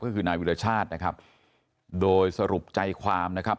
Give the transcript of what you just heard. ก็คือนายวิรชาตินะครับโดยสรุปใจความนะครับ